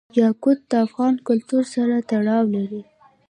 یاقوت د افغان کلتور سره تړاو لري.